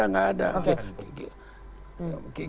nggak ada nggak ada